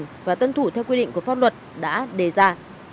chủ trình và tân thủ theo quy định của pháp luật đã đề ra